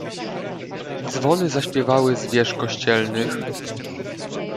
"Dzwony zaśpiewały z wież kościelnych."